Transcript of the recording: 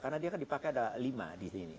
karena dia kan dipakai ada lima di sini